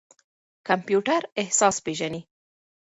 کمپيوټر احساس پېژني.